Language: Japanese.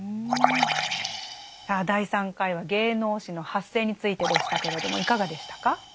さあ第３回は芸能史の発生についてでしたけれどもいかがでしたか？